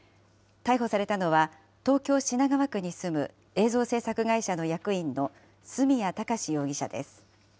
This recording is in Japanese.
逮捕されたのは、東京・品川区に住む映像制作会社の役員の角谷貴史容疑者です。